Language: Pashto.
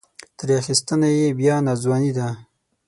ترې اخیستنه یې بیا ناځواني ده.